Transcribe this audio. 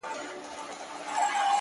خو لا يې سترگي نه دي سرې خلگ خبري كـوي.